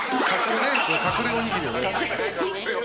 隠れおにぎり。